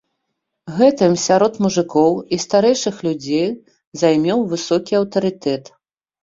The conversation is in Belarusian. Гэтым сярод мужыкоў і старэйшых людзей займеў высокі аўтарытэт.